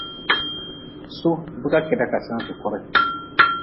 Su biga keda ka sen sukure.